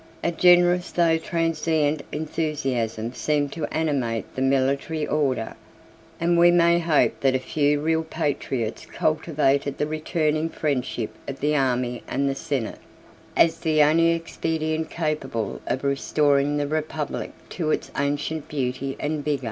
A generous though transient enthusiasm seemed to animate the military order; and we may hope that a few real patriots cultivated the returning friendship of the army and the senate as the only expedient capable of restoring the republic to its ancient beauty and vigor.